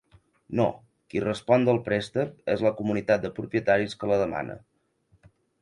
No, qui respon del préstec és la comunitat de propietaris que la demana.